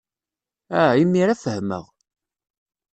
Ah, imir-a fehmeɣ.